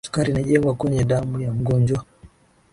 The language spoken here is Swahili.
sukari inajengwa kwenye damu ya mgonjwa